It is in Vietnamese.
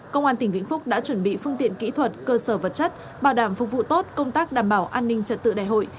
công an tỉnh vĩnh phúc đã chuẩn bị phương tiện kỹ thuật cơ sở vật chất bảo đảm phục vụ tốt công tác đảm bảo an ninh trật tự đại hội